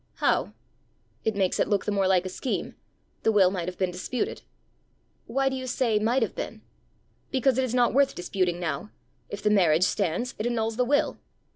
"How?" "It makes it look the more like a scheme: the will might have been disputed." "Why do you say might have been?" "Because it is not worth disputing now. If the marriage stands, it annuls the will."